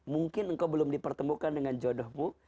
mungkin engkau belum dipertemukan dengan jodohmu